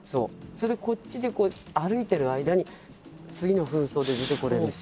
それでこっちにこう歩いてる間に次の扮装で出てこれるし。